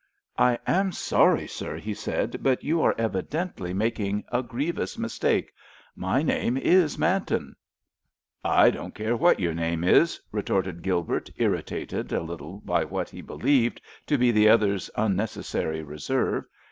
"I am sorry, sir," he said, "but you are evidently making a grievous mistake. My name is Manton——" "I don't care what your name is," retorted Gilbert, irritated a little by what he believed to be the other's unnecessary reserve.